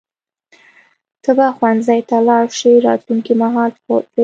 ته به ښوونځي ته لاړ شې راتلونکي مهال فعل دی.